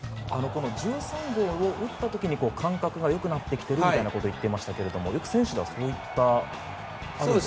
１３号を打った時に感覚が良くなってきているみたいなこと言っていますが選手たちはそういったのはあるんですか？